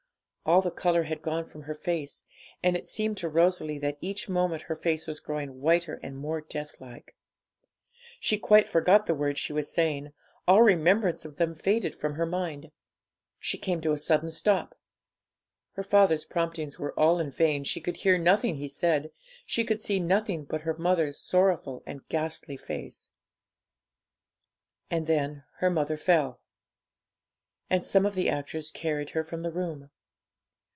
All the colour had gone from her face, and it seemed to Rosalie that each moment her face was growing whiter and more deathlike. She quite forgot the words she was saying, all remembrance of them faded from her mind. She came to a sudden stop. Her father's promptings were all in vain, she could hear nothing he said, she could see nothing but her mother's sorrowful and ghastly face. And then her mother fell, and some of the actors carried her from the room.